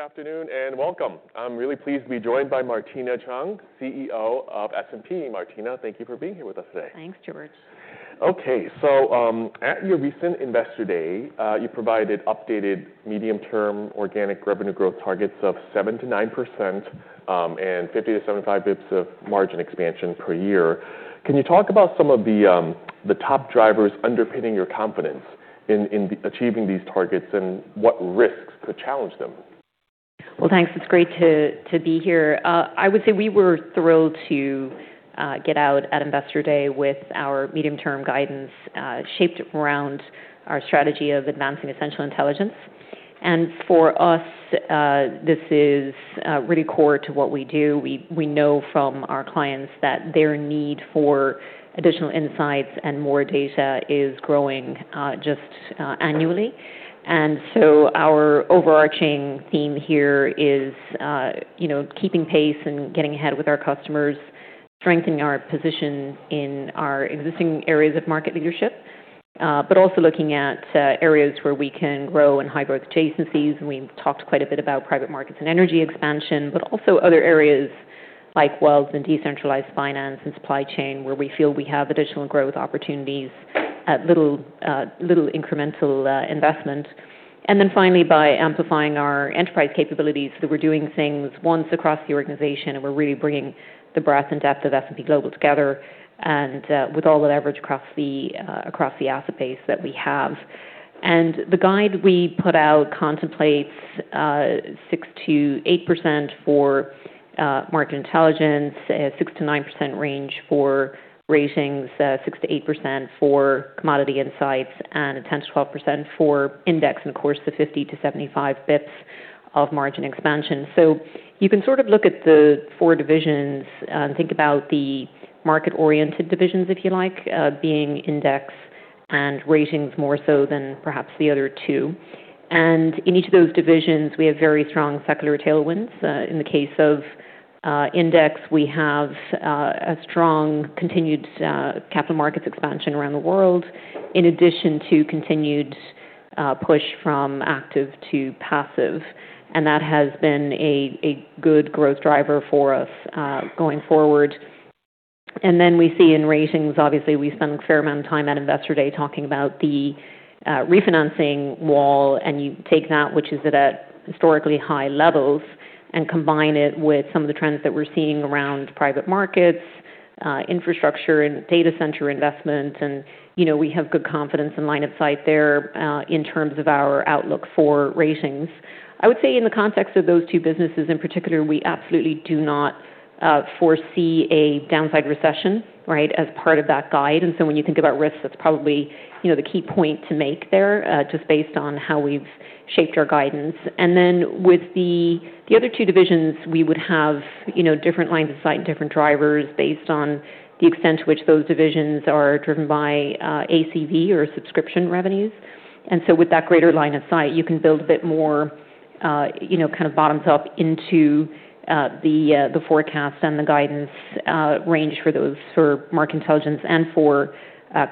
Hey. Good afternoon and welcome. I'm really pleased to be joined by Martina Cheung, CEO of S&P. Martina, thank you for being here with us today. Thanks, George. Okay, so at your recent Investor Day, you provided updated medium-term organic revenue growth targets of 7%-9% and 50-75 basis points of margin expansion per year. Can you talk about some of the top drivers underpinning your confidence in achieving these targets and what risks could challenge them? Thanks. It's great to be here. I would say we were thrilled to get out at Investor Day with our medium-term guidance shaped around our strategy of advancing essential intelligence. And for us, this is really core to what we do. We know from our clients that their need for additional insights and more data is growing just annually. And so our overarching theme here is keeping pace and getting ahead with our customers, strengthening our position in our existing areas of market leadership, but also looking at areas where we can grow in high-growth adjacencies. We've talked quite a bit about private markets and energy expansion, but also other areas like wealth and decentralized finance and supply chain where we feel we have additional growth opportunities at little incremental investment. And then finally, by amplifying our enterprise capabilities, we're doing things once across the organization and we're really bringing the breadth and depth of S&P Global together with all the leverage across the asset base that we have. And the guide we put out contemplates 6%-8% for Market Intelligence, a 6%-9% range for Ratings, 6%-8% for Commodity Insights, and a 10%-12% for Index. And of course, the 50-75 basis points of margin expansion. So you can sort of look at the four divisions and think about the market-oriented divisions, if you like, being Index and Ratings more so than perhaps the other two. And in each of those divisions, we have very strong secular tailwinds. In the case of Index, we have a strong continued capital markets expansion around the world, in addition to continued push from active to passive. And that has been a good growth driver for us going forward. And then we see in Ratings, obviously, we spend a fair amount of time at Investor Day talking about the refinancing wall. And you take that, which is at historically high levels, and combine it with some of the trends that we're seeing around private markets, infrastructure, and data center investment. And we have good confidence and line of sight there in terms of our outlook for Ratings. I would say in the context of those two businesses in particular, we absolutely do not foresee a downside recession as part of that guide. And so when you think about risks, that's probably the key point to make there just based on how we've shaped our guidance. And then with the other two divisions, we would have different lines of sight and different drivers based on the extent to which those divisions are driven by ACV or subscription revenues. And so with that greater line of sight, you can build a bit more kind of bottoms-up into the forecast and the guidance range for those, for Market Intelligence and for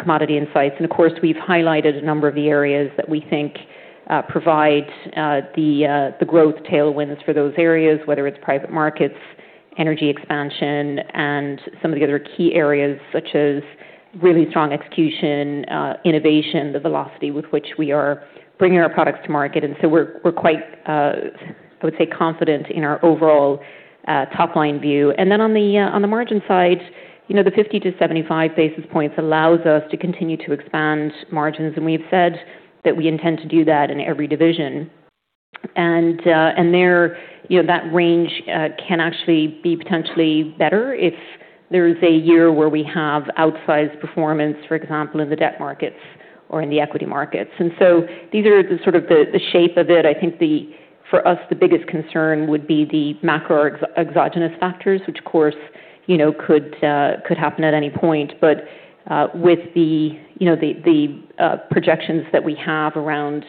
Commodity Insights. And of course, we've highlighted a number of the areas that we think provide the growth tailwinds for those areas, whether it's private markets, energy expansion, and some of the other key areas such as really strong execution, innovation, the velocity with which we are bringing our products to market. And so we're quite, I would say, confident in our overall top-line view. And then on the margin side, the 50-75 basis points allows us to continue to expand margins. And we've said that we intend to do that in every division. And that range can actually be potentially better if there is a year where we have outsized performance, for example, in the debt markets or in the equity markets. And so these are sort of the shape of it. I think for us, the biggest concern would be the macro-exogenous factors, which, of course, could happen at any point. But with the projections that we have around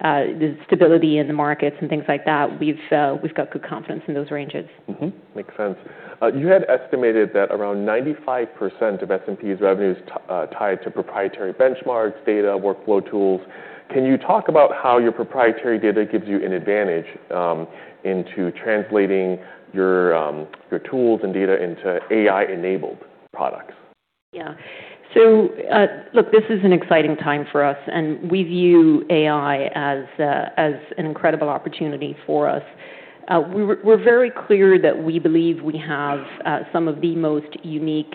the stability in the markets and things like that, we've got good confidence in those ranges. Makes sense. You had estimated that around 95% of S&P's revenue is tied to proprietary benchmarks, data, workflow tools. Can you talk about how your proprietary data gives you an advantage into translating your tools and data into AI-enabled products? Yeah. So look, this is an exciting time for us. And we view AI as an incredible opportunity for us. We're very clear that we believe we have some of the most unique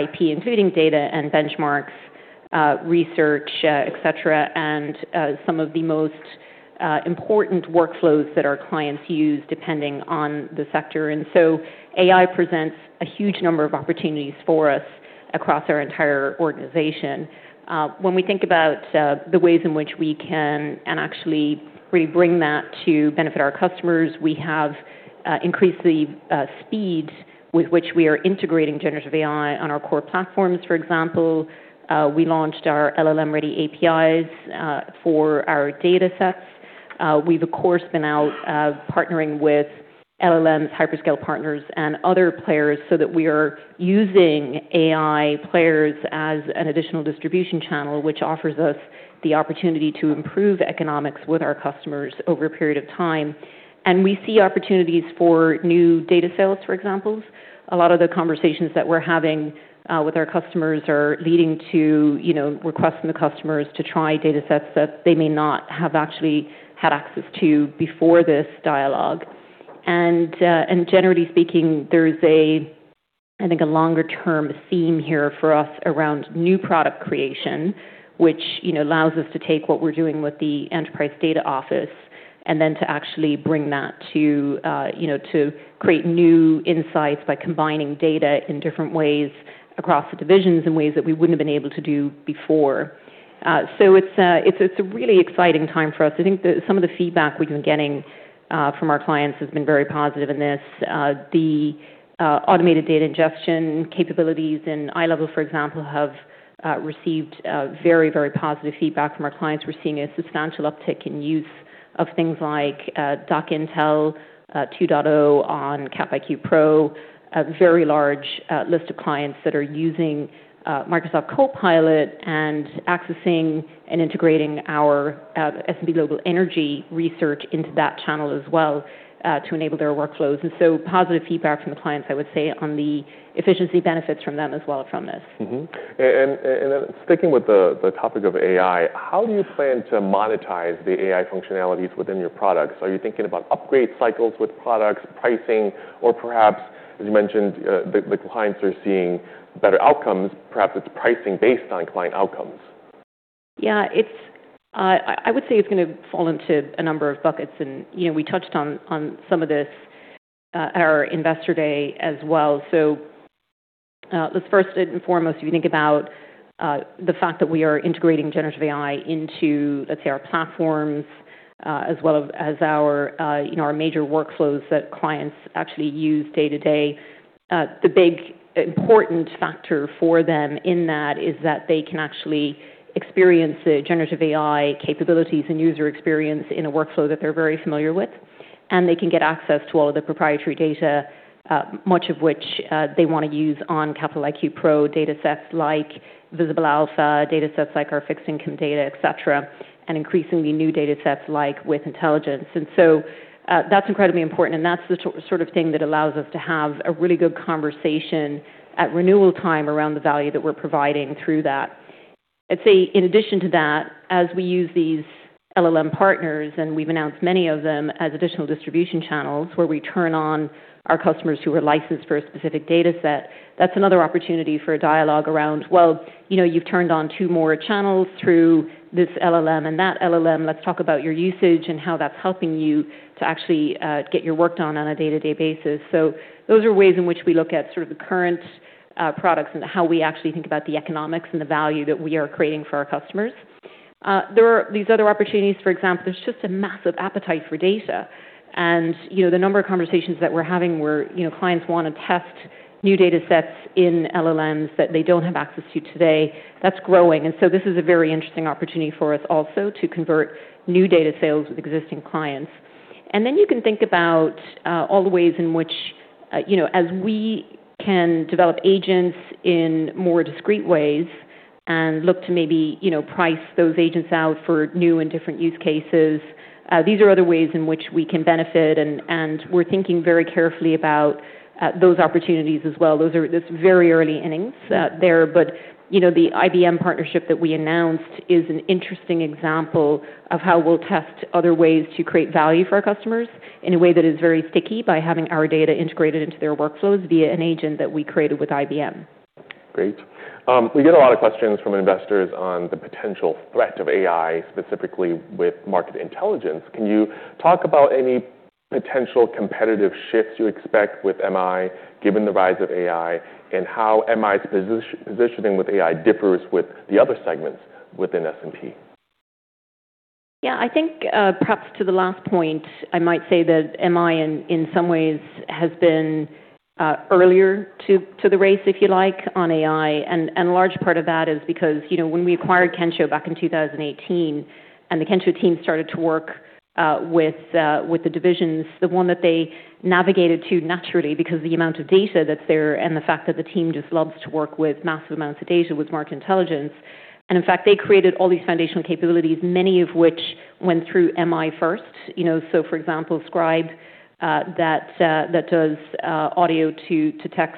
IP, including data and benchmarks, research, et cetera, and some of the most important workflows that our clients use depending on the sector. And so AI presents a huge number of opportunities for us across our entire organization. When we think about the ways in which we can actually bring that to benefit our customers, we have increased the speed with which we are integrating generative AI on our core platforms. For example, we launched our LLM-ready APIs for our data sets. We've, of course, been out partnering with LLMs, hyperscale partners, and other players so that we are using AI players as an additional distribution channel, which offers us the opportunity to improve economics with our customers over a period of time. And we see opportunities for new data sales, for example. A lot of the conversations that we're having with our customers are leading to requesting the customers to try data sets that they may not have actually had access to before this dialogue. And generally speaking, there is, I think, a longer-term theme here for us around new product creation, which allows us to take what we're doing with the Enterprise Data Office and then to actually bring that to create new insights by combining data in different ways across the divisions in ways that we wouldn't have been able to do before. It's a really exciting time for us. I think some of the feedback we've been getting from our clients has been very positive in this. The automated data ingestion capabilities in iLEVEL, for example, have received very, very positive feedback from our clients. We're seeing a substantial uptick in use of things like DocIntel 2.0 on CapIQ Pro, a very large list of clients that are using Microsoft Copilot and accessing and integrating our S&P Global energy research into that channel as well to enable their workflows, and so positive feedback from the clients, I would say, on the efficiency benefits from them as well from this. And then sticking with the topic of AI, how do you plan to monetize the AI functionalities within your products? Are you thinking about upgrade cycles with products, pricing, or perhaps, as you mentioned, the clients are seeing better outcomes? Perhaps it's pricing based on client outcomes. Yeah. I would say it's going to fall into a number of buckets, and we touched on some of this at our Investor Day as well. First and foremost, if you think about the fact that we are integrating generative AI into, let's say, our platforms as well as our major workflows that clients actually use day to day, the big important factor for them in that is that they can actually experience the generative AI capabilities and user experience in a workflow that they're very familiar with. And they can get access to all of the proprietary data, much of which they want to use on Capital IQ Pro data sets like Visible Alpha, data sets like our fixed income data, et cetera, and increasingly new data sets like With Intelligence. So that's incredibly important. And that's the sort of thing that allows us to have a really good conversation at renewal time around the value that we're providing through that. I'd say in addition to that, as we use these LLM partners, and we've announced many of them as additional distribution channels where we turn on our customers who are licensed for a specific data set, that's another opportunity for a dialogue around, well, you've turned on two more channels through this LLM and that LLM. Let's talk about your usage and how that's helping you to actually get your work done on a day-to-day basis. So those are ways in which we look at sort of the current products and how we actually think about the economics and the value that we are creating for our customers. There are these other opportunities. For example, there's just a massive appetite for data. And the number of conversations that we're having where clients want to test new data sets in LLMs that they don't have access to today, that's growing. And so this is a very interesting opportunity for us also to convert new data sales with existing clients. And then you can think about all the ways in which, as we can develop agents in more discreet ways and look to maybe price those agents out for new and different use cases, these are other ways in which we can benefit. And we're thinking very carefully about those opportunities as well. Those are very early innings there. But the IBM partnership that we announced is an interesting example of how we'll test other ways to create value for our customers in a way that is very sticky by having our data integrated into their workflows via an agent that we created with IBM. Great. We get a lot of questions from investors on the potential threat of AI, specifically with Market Intelligence. Can you talk about any potential competitive shifts you expect with MI, given the rise of AI, and how MI's positioning with AI differs with the other segments within S&P? Yeah. I think perhaps to the last point, I might say that MI in some ways has been earlier to the race, if you like, on AI. And a large part of that is because when we acquired Kensho back in 2018 and the Kensho team started to work with the divisions, the one that they navigated to naturally because of the amount of data that's there and the fact that the team just loves to work with massive amounts of data with Market Intelligence. And in fact, they created all these foundational capabilities, many of which went through MI first. So for example, Scribe that does audio-to-text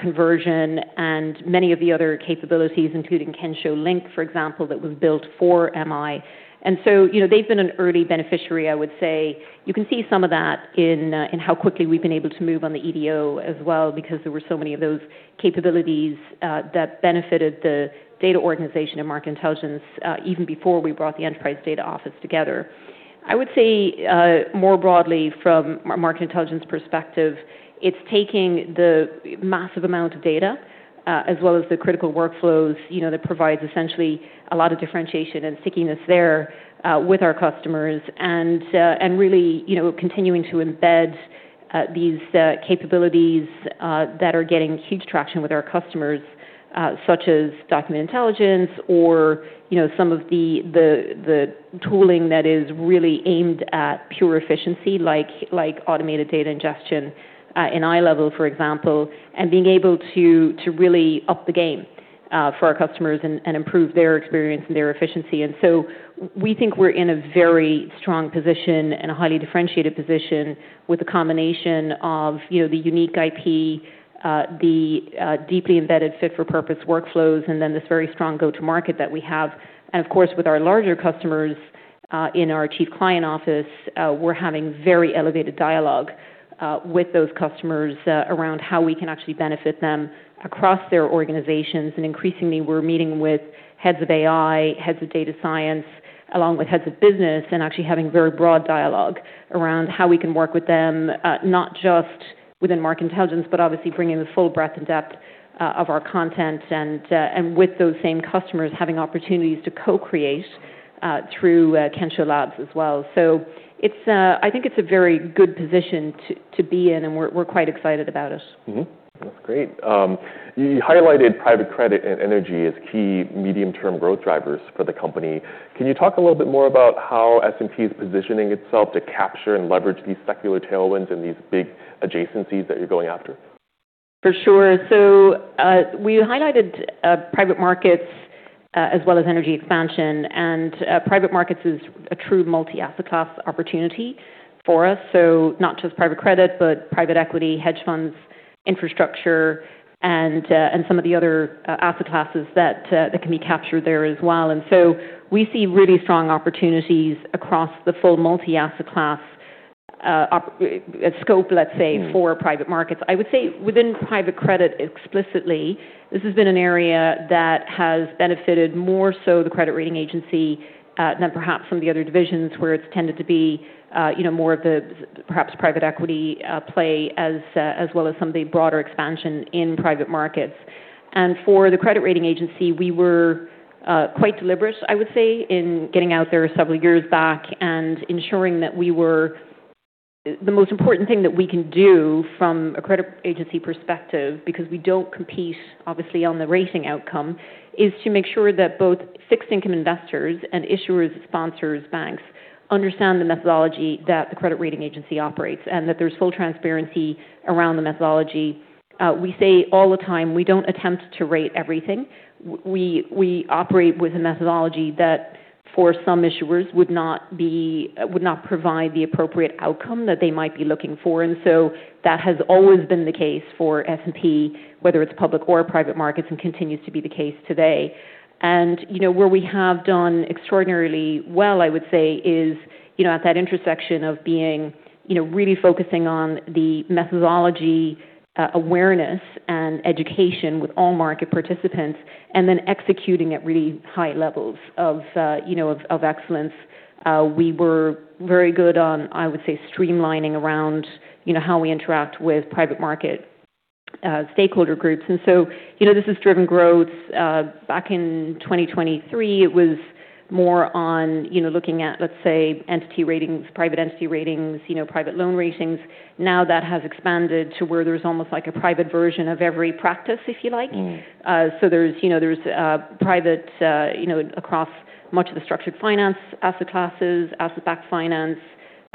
conversion and many of the other capabilities, including Kensho Link, for example, that was built for MI. And so they've been an early beneficiary, I would say. You can see some of that in how quickly we've been able to move on the EDO as well because there were so many of those capabilities that benefited the data organization and Market Intelligence even before we brought the Enterprise Data Office together. I would say more broadly from a Market Intelligence perspective, it's taking the massive amount of data as well as the critical workflows that provides essentially a lot of differentiation and stickiness there with our customers and really continuing to embed these capabilities that are getting huge traction with our customers, such as Document Intelligence or some of the tooling that is really aimed at pure efficiency like automated data ingestion in iLEVEL, for example, and being able to really up the game for our customers and improve their experience and their efficiency. And so we think we're in a very strong position and a highly differentiated position with a combination of the unique IP, the deeply embedded fit-for-purpose workflows, and then this very strong go-to-market that we have. And of course, with our larger customers in our Chief Client Office, we're having very elevated dialogue with those customers around how we can actually benefit them across their organizations. And increasingly, we're meeting with heads of AI, heads of data science, along with heads of business, and actually having very broad dialogue around how we can work with them, not just within Market Intelligence, but obviously bringing the full breadth and depth of our content and with those same customers having opportunities to co-create through Kensho Labs as well. So I think it's a very good position to be in, and we're quite excited about it. That's great. You highlighted private credit and energy as key medium-term growth drivers for the company. Can you talk a little bit more about how S&P is positioning itself to capture and leverage these secular tailwinds and these big adjacencies that you're going after? For sure. So we highlighted private markets as well as energy expansion. And private markets is a true multi-asset class opportunity for us, so not just private credit, but private equity, hedge funds, infrastructure, and some of the other asset classes that can be captured there as well. And so we see really strong opportunities across the full multi-asset class scope, let's say, for private markets. I would say within private credit explicitly, this has been an area that has benefited more so the credit rating agency than perhaps some of the other divisions where it's tended to be more of the perhaps private equity play as well as some of the broader expansion in private markets. And for the credit rating agency, we were quite deliberate, I would say, in getting out there several years back and ensuring that we were the most important thing that we can do from a credit agency perspective because we don't compete, obviously, on the rating outcome, is to make sure that both fixed income investors and issuers, sponsors, banks understand the methodology that the credit rating agency operates and that there's full transparency around the methodology. We say all the time, we don't attempt to rate everything. We operate with a methodology that for some issuers would not provide the appropriate outcome that they might be looking for. And so that has always been the case for S&P, whether it's public or private markets, and continues to be the case today. And where we have done extraordinarily well, I would say, is at that intersection of being really focusing on the methodology awareness and education with all market participants and then executing at really high levels of excellence. We were very good on, I would say, streamlining around how we interact with private market stakeholder groups. And so this has driven growth. Back in 2023, it was more on looking at, let's say, entity ratings, private entity ratings, private loan ratings. Now that has expanded to where there's almost like a private version of every practice, if you like. So there's private across much of the structured finance asset classes, asset-backed finance,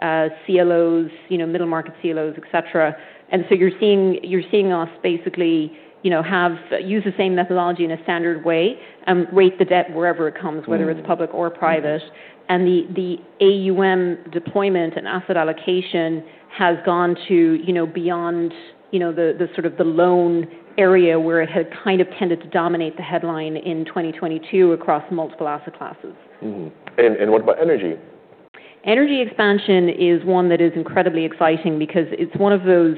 CLOs, middle market CLOs, et cetera. And so you're seeing us basically use the same methodology in a standard way and rate the debt wherever it comes, whether it's public or private. The AUM deployment and asset allocation has gone to beyond the sort of the loan area where it had kind of tended to dominate the headline in 2022 across multiple asset classes. What about energy? Energy expansion is one that is incredibly exciting because it's one of those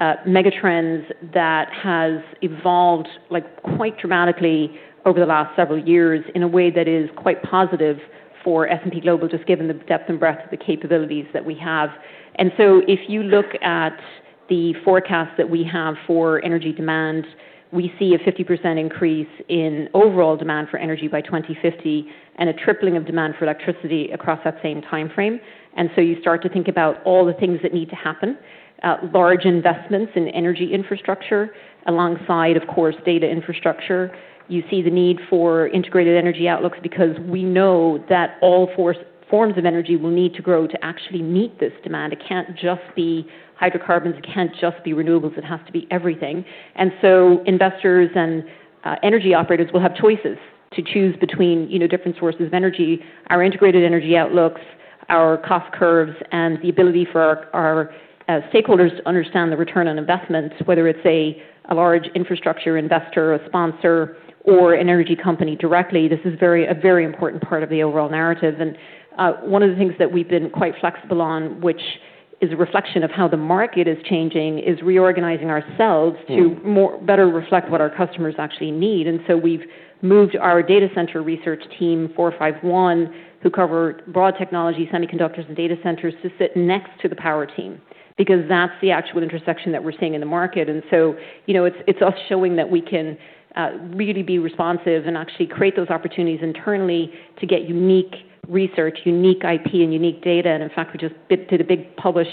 megatrends that has evolved quite dramatically over the last several years in a way that is quite positive for S&P Global, just given the depth and breadth of the capabilities that we have, and so if you look at the forecast that we have for energy demand, we see a 50% increase in overall demand for energy by 2050 and a tripling of demand for electricity across that same timeframe, and so you start to think about all the things that need to happen, large investments in energy infrastructure alongside, of course, data infrastructure. You see the need for integrated energy outlooks because we know that all forms of energy will need to grow to actually meet this demand. It can't just be hydrocarbons. It can't just be renewables. It has to be everything. Investors and energy operators will have choices to choose between different sources of energy, our integrated energy outlooks, our cost curves, and the ability for our stakeholders to understand the return on investments, whether it's a large infrastructure investor, a sponsor, or an energy company directly. This is a very important part of the overall narrative. One of the things that we've been quite flexible on, which is a reflection of how the market is changing, is reorganizing ourselves to better reflect what our customers actually need. We've moved our data center research team, 451, who cover broad technology, semiconductors, and data centers to sit next to the Power team because that's the actual intersection that we're seeing in the market. And so it's us showing that we can really be responsive and actually create those opportunities internally to get unique research, unique IP, and unique data. And in fact, we just did a big publish,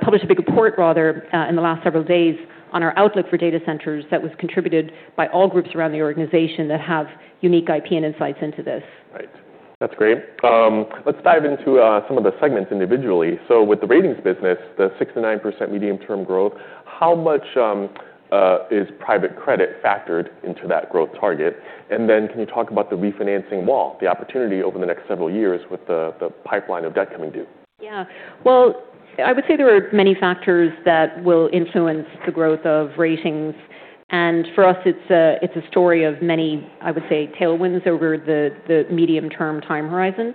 published a big report rather in the last several days on our outlook for data centers that was contributed by all groups around the organization that have unique IP and insights into this. Right. That's great. Let's dive into some of the segments individually. So with the ratings business, the 6%-9% medium-term growth, how much is private credit factored into that growth target? And then can you talk about the refinancing wall, the opportunity over the next several years with the pipeline of debt coming due? Yeah. Well, I would say there are many factors that will influence the growth of ratings. And for us, it's a story of many, I would say, tailwinds over the medium-term time horizon.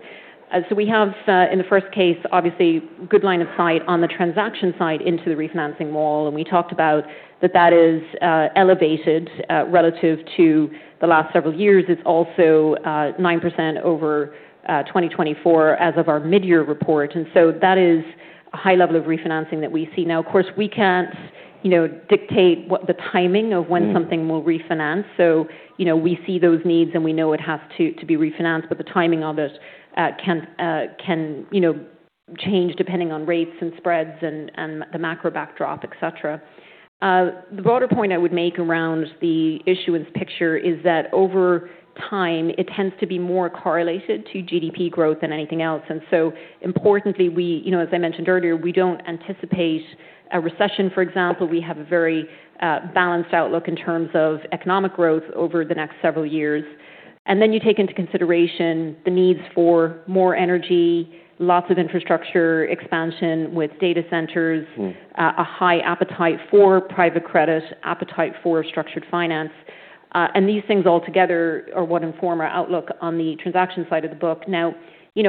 So we have, in the first case, obviously good line of sight on the transaction side into the refinancing wall. And we talked about that is elevated relative to the last several years. It's also 9% over 2024 as of our mid-year report. And so that is a high level of refinancing that we see now. Of course, we can't dictate the timing of when something will refinance. So we see those needs, and we know it has to be refinanced, but the timing of it can change depending on rates and spreads and the macro backdrop, et cetera. The broader point I would make around the issuance picture is that over time, it tends to be more correlated to GDP growth than anything else, and so importantly, as I mentioned earlier, we don't anticipate a recession. For example, we have a very balanced outlook in terms of economic growth over the next several years, and then you take into consideration the needs for more energy, lots of infrastructure expansion with data centers, a high appetite for private credit, appetite for structured finance. And these things altogether are what inform our outlook on the transaction side of the book. Now,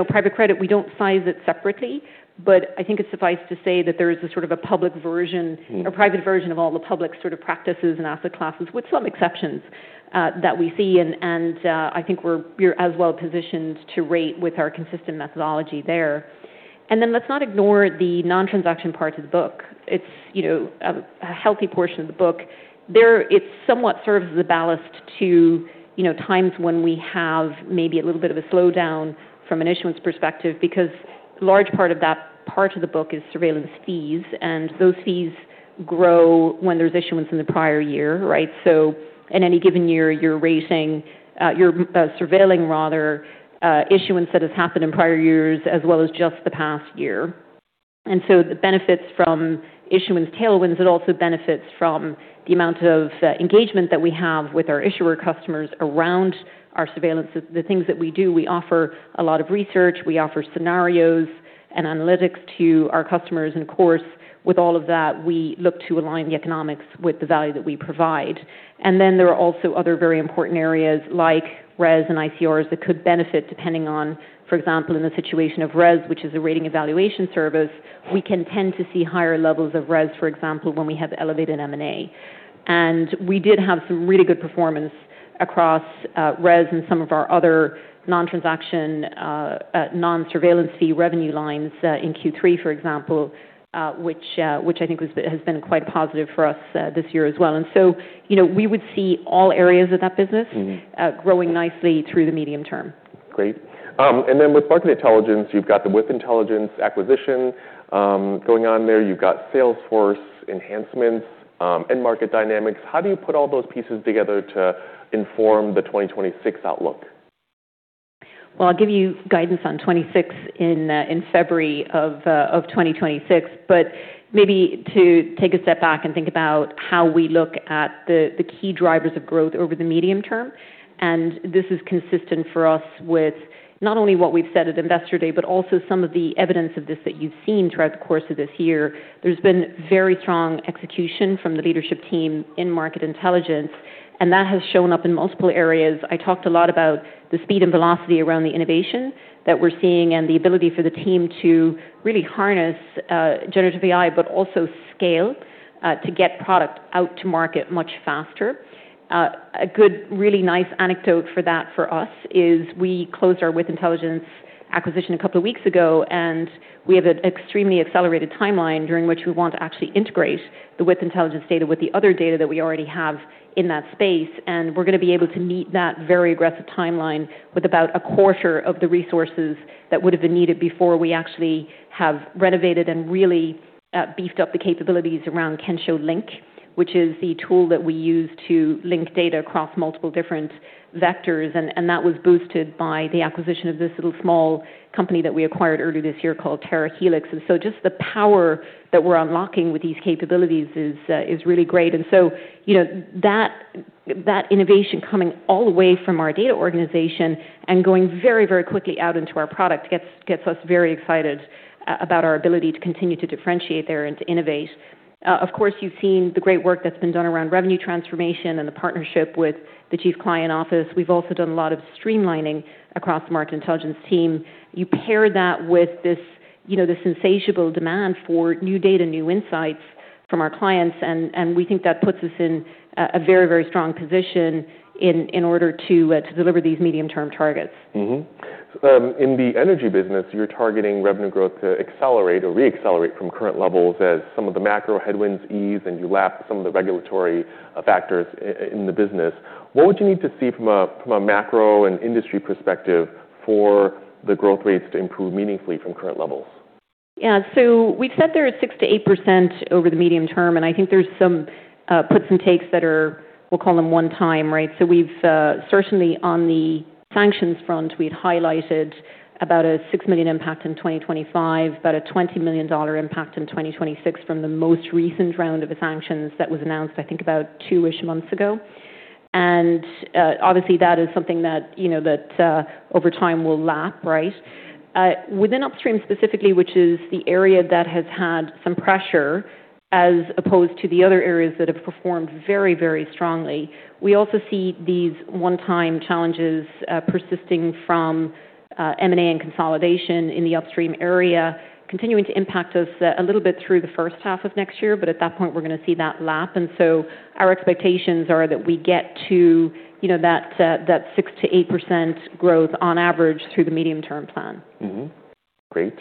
private credit, we don't size it separately, but I think it suffices to say that there is a sort of a public version or private version of all the public sort of practices and asset classes with some exceptions that we see. I think we're as well positioned to rate with our consistent methodology there. And then let's not ignore the non-transaction part of the book. It's a healthy portion of the book. There, it somewhat serves as a ballast to times when we have maybe a little bit of a slowdown from an issuance perspective because a large part of that part of the book is surveillance fees. And those fees grow when there's issuance in the prior year, right? So in any given year, you're surveilling the issuance that has happened in prior years as well as just the past year. And so the benefits from issuance tailwinds, it also benefits from the amount of engagement that we have with our issuer customers around our surveillances, the things that we do. We offer a lot of research. We offer scenarios and analytics to our customers. And of course, with all of that, we look to align the economics with the value that we provide. And then there are also other very important areas like RES and ICRs that could benefit depending on, for example, in the situation of RES, which is a Rating Evaluation Service, we can tend to see higher levels of RES, for example, when we have elevated M&A. And we did have some really good performance across RES and some of our other non-transaction, non-surveillance fee revenue lines in Q3, for example, which I think has been quite positive for us this year as well. And so we would see all areas of that business growing nicely through the medium term. Great. And then with Market Intelligence, you've got the With Intelligence acquisition going on there. You've got Salesforce enhancements and market dynamics. How do you put all those pieces together to inform the 2026 outlook? I'll give you guidance on 2026 in February of 2026, but maybe to take a step back and think about how we look at the key drivers of growth over the medium term. This is consistent for us with not only what we've said at Investor Day, but also some of the evidence of this that you've seen throughout the course of this year. There's been very strong execution from the leadership team in Market Intelligence, and that has shown up in multiple areas. I talked a lot about the speed and velocity around the innovation that we're seeing and the ability for the team to really harness generative AI, but also scale to get product out to market much faster. A good, really nice anecdote for that for us is we closed our With Intelligence acquisition a couple of weeks ago, and we have an extremely accelerated timeline during which we want to actually integrate the With Intelligence data with the other data that we already have in that space. And we're going to be able to meet that very aggressive timeline with about a quarter of the resources that would have been needed before we actually have renovated and really beefed up the capabilities around Kensho Link, which is the tool that we use to link data across multiple different vectors. And that was boosted by the acquisition of this little small company that we acquired early this year called TeraHelix. And so just the power that we're unlocking with these capabilities is really great. And so that innovation coming all the way from our data organization and going very, very quickly out into our product gets us very excited about our ability to continue to differentiate there and to innovate. Of course, you've seen the great work that's been done around revenue transformation and the partnership with the Chief Client Office. We've also done a lot of streamlining across the Market Intelligence team. You pair that with this insatiable demand for new data, new insights from our clients, and we think that puts us in a very, very strong position in order to deliver these medium-term targets. In the energy business, you're targeting revenue growth to accelerate or reaccelerate from current levels as some of the macro headwinds ease and you lap some of the regulatory factors in the business. What would you need to see from a macro and industry perspective for the growth rates to improve meaningfully from current levels? Yeah. So we've said there are 6%-8% over the medium term, and I think there's some puts and takes that are, we'll call them one time, right? So we've certainly on the sanctions front, we'd highlighted about a $6 million impact in 2025, about a $20 million impact in 2026 from the most recent round of sanctions that was announced, I think, about two-ish months ago. And obviously, that is something that over time will lap, right? Within upstream specifically, which is the area that has had some pressure as opposed to the other areas that have performed very, very strongly, we also see these one-time challenges persisting from M&A and consolidation in the upstream area continuing to impact us a little bit through the first half of next year, but at that point, we're going to see that lap. Our expectations are that we get to that 6%-8% growth on average through the medium-term plan. Great.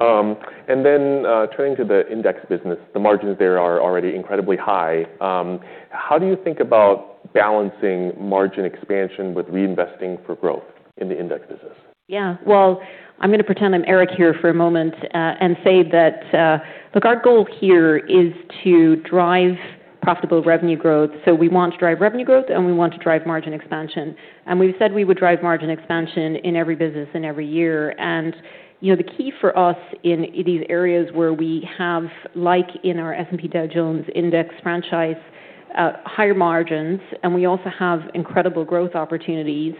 And then turning to the index business, the margins there are already incredibly high. How do you think about balancing margin expansion with reinvesting for growth in the index business? Yeah. Well, I'm going to pretend I'm Eric here for a moment and say that, look, our goal here is to drive profitable revenue growth. So we want to drive revenue growth, and we want to drive margin expansion. And we've said we would drive margin expansion in every business and every year. And the key for us in these areas where we have, like in our S&P Dow Jones Indices franchise, higher margins, and we also have incredible growth opportunities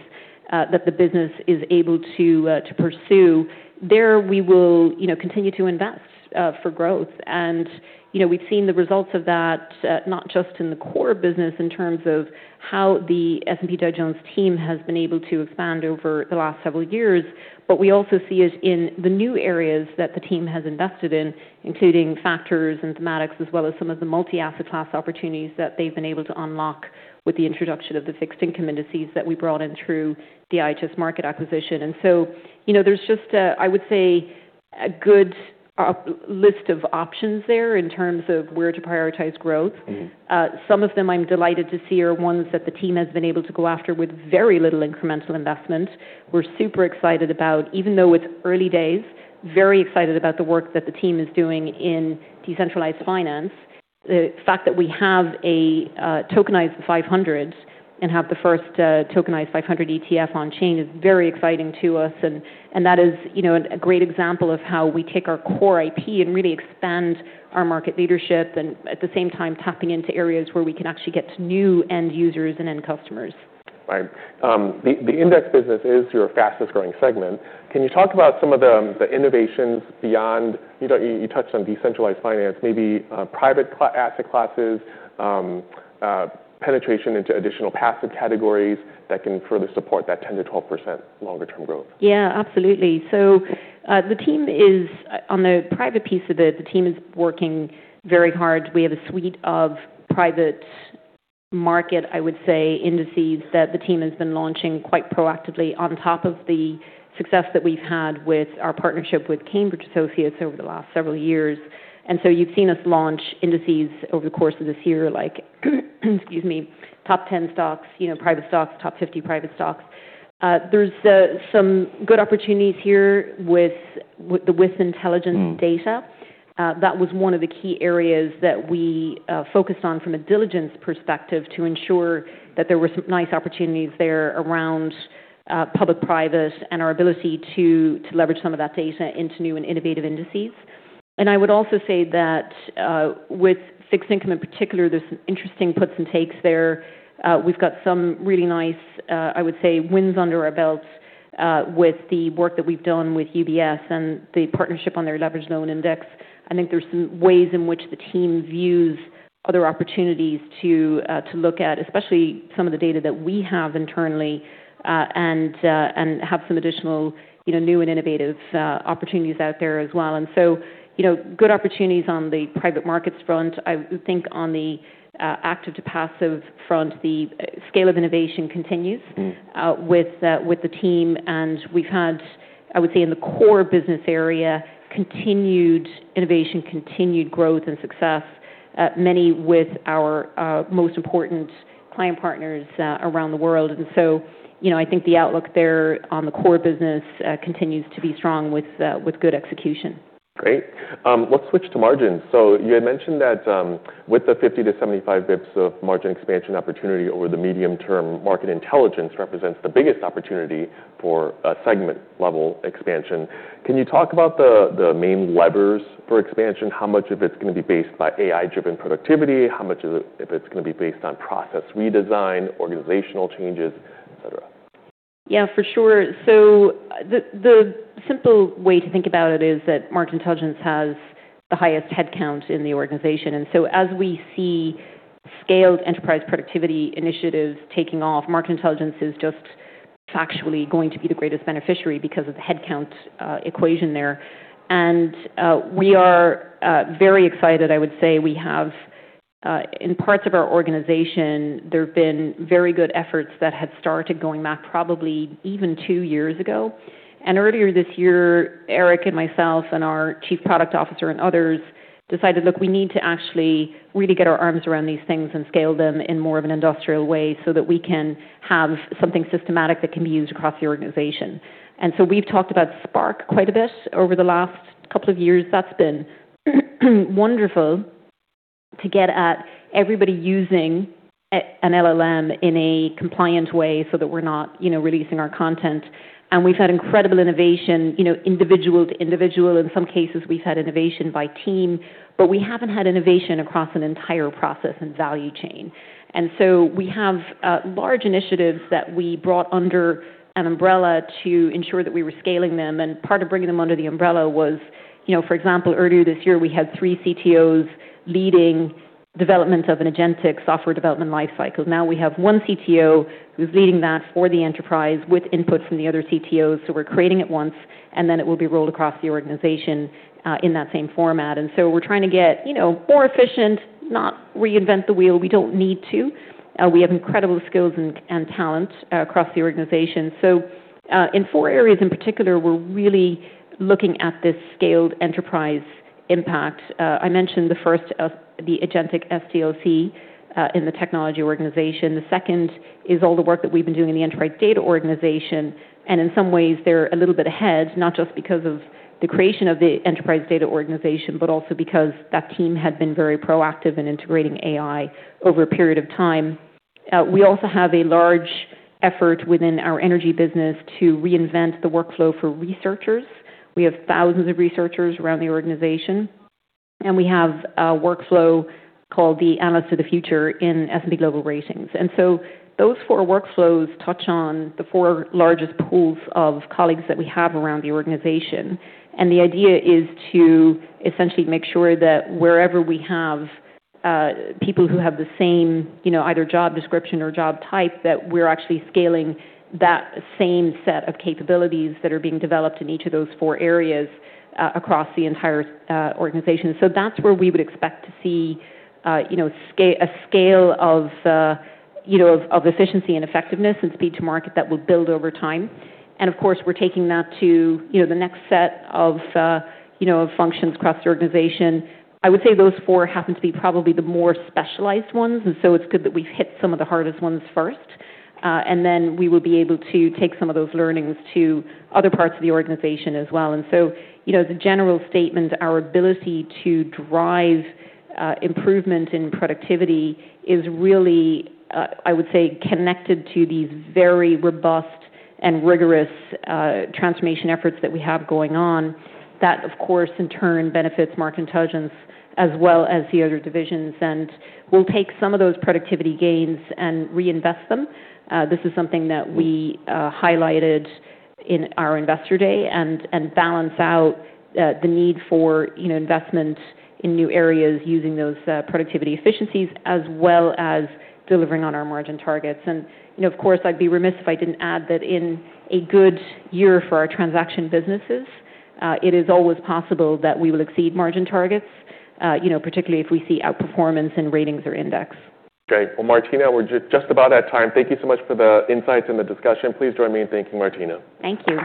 that the business is able to pursue, there we will continue to invest for growth. And we've seen the results of that not just in the core business in terms of how the S&P Dow Jones team has been able to expand over the last several years, but we also see it in the new areas that the team has invested in, including factors and thematics as well as some of the multi-asset class opportunities that they've been able to unlock with the introduction of the fixed income indices that we brought in through the IHS Markit acquisition. And so there's just, I would say, a good list of options there in terms of where to prioritize growth. Some of them I'm delighted to see are ones that the team has been able to go after with very little incremental investment. We're super excited about, even though it's early days, very excited about the work that the team is doing in decentralized Finance. The fact that we have a tokenized 500 and have the first tokenized 500 ETF on chain is very exciting to us, and that is a great example of how we take our core IP and really expand our market leadership and at the same time tapping into areas where we can actually get to new end users and end customers. Right. The index business is your fastest growing segment. Can you talk about some of the innovations beyond, you touched on decentralized finance, maybe private asset classes, penetration into additional passive categories that can further support that 10%-12% longer-term growth? Yeah, absolutely. So the team is on the private piece of it, the team is working very hard. We have a suite of private market, I would say, indices that the team has been launching quite proactively on top of the success that we've had with our partnership with Cambridge Associates over the last several years. And so you've seen us launch indices over the course of this year, like, excuse me, top 10 stocks, private stocks, top 50 private stocks. There's some good opportunities here with the With Intelligence data. That was one of the key areas that we focused on from a diligence perspective to ensure that there were some nice opportunities there around public-private and our ability to leverage some of that data into new and innovative indices. And I would also say that with fixed income in particular, there's some interesting puts and takes there. We've got some really nice, I would say, wins under our belts with the work that we've done with UBS and the partnership on their leveraged loan index. I think there's some ways in which the team views other opportunities to look at, especially some of the data that we have internally and have some additional new and innovative opportunities out there as well. And so good opportunities on the private markets front. I think on the active to passive front, the scale of innovation continues with the team. And we've had, I would say, in the core business area, continued innovation, continued growth and success, many with our most important client partners around the world. And so I think the outlook there on the core business continues to be strong with good execution. Great. Let's switch to margins. So you had mentioned that with the 50-75 basis points of margin expansion opportunity over the medium term, Market Intelligence represents the biggest opportunity for segment-level expansion. Can you talk about the main levers for expansion? How much of it's going to be based on AI-driven productivity? How much of it's going to be based on process redesign, organizational changes, et cetera? Yeah, for sure. So the simple way to think about it is that Market Intelligence has the highest headcount in the organization. And so as we see scaled enterprise productivity initiatives taking off, Market Intelligence is just factually going to be the greatest beneficiary because of the headcount equation there. And we are very excited, I would say. We have, in parts of our organization, there have been very good efforts that had started going back probably even two years ago. And earlier this year, Eric and myself and our Chief Product Officer and others decided, look, we need to actually really get our arms around these things and scale them in more of an industrial way so that we can have something systematic that can be used across the organization. And so we've talked about Spark quite a bit over the last couple of years. That's been wonderful to get at everybody using an LLM in a compliant way so that we're not releasing our content. And we've had incredible innovation individual to individual. In some cases, we've had innovation by team, but we haven't had innovation across an entire process and value chain. And so we have large initiatives that we brought under an umbrella to ensure that we were scaling them. And part of bringing them under the umbrella was, for example, earlier this year, we had three CTOs leading development of an agentic software development lifecycle. Now we have one CTO who's leading that for the enterprise with input from the other CTOs. So we're creating it once, and then it will be rolled across the organization in that same format. And so we're trying to get more efficient, not reinvent the wheel. We don't need to. We have incredible skills and talent across the organization. So in four areas in particular, we're really looking at this scaled enterprise impact. I mentioned the first, the agentic SDLC in the technology organization. The second is all the work that we've been doing in the enterprise data organization. And in some ways, they're a little bit ahead, not just because of the creation of the enterprise data organization, but also because that team had been very proactive in integrating AI over a period of time. We also have a large effort within our energy business to reinvent the workflow for researchers. We have thousands of researchers around the organization, and we have a workflow called the Analyst of the Future in S&P Global Ratings. And so those four workflows touch on the four largest pools of colleagues that we have around the organization. And the idea is to essentially make sure that wherever we have people who have the same either job description or job type, that we're actually scaling that same set of capabilities that are being developed in each of those four areas across the entire organization. So that's where we would expect to see a scale of efficiency and effectiveness and speed to market that will build over time. And of course, we're taking that to the next set of functions across the organization. I would say those four happen to be probably the more specialized ones. And so it's good that we've hit some of the hardest ones first. And then we will be able to take some of those learnings to other parts of the organization as well. The general statement, our ability to drive improvement in productivity is really, I would say, connected to these very robust and rigorous transformation efforts that we have going on. That, of course, in turn benefits Market Intelligence as well as the other divisions. We'll take some of those productivity gains and reinvest them. This is something that we highlighted in our Investor Day and balance out the need for investment in new areas using those productivity efficiencies as well as delivering on our margin targets. Of course, I'd be remiss if I didn't add that in a good year for our transaction businesses, it is always possible that we will exceed margin targets, particularly if we see outperformance in Ratings or Index. Great. Well, Martina, we're just about at time. Thank you so much for the insights and the discussion. Please join me in thanking Martina. Thank you.